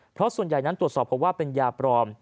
เพราะส่วนใหญ่นั้นตรวจสอบเพราะว่าเป็นยาปลอม